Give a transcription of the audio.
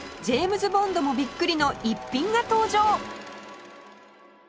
ジェームズ・ボンドもビックリの逸品が登場